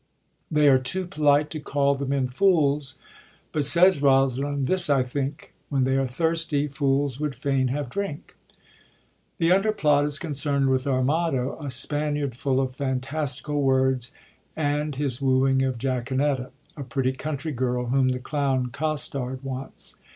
They are too polite to call the men fools; but says Rosaline, " this I think : When they are thirsty, fools would fain have drink." The underplot is concemd with Armado, a Spaniard full of fantastical words, and his wooing of Jaquenetta, a pretty country girl whom the clown Costard wants.